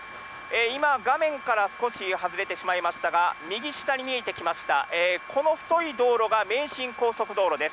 今、画面から少し外れてしまいましたが、右下に見えてきました、この太い道路が名神高速道路です。